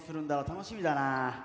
楽しみだなあ。